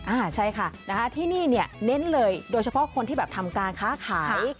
อ่าใช่ค่ะที่นี่เน้นเลยโดยเฉพาะคนที่ทำการค้าขาย